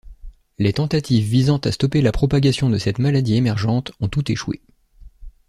Les tentatives visant à stopper la propagation de cette maladie émergente ont toutes échoué.